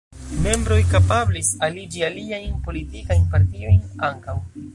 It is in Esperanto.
Membroj kapablis aliĝi aliajn politikajn partiojn ankaŭ.